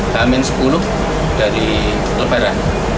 hamin sepuluh dari lebaran